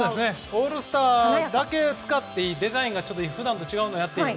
オールスターだけ使っていいデザインがあって普段と違うのをやっていい。